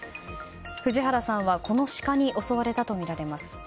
藤原さんは、このシカに襲われたとみられます。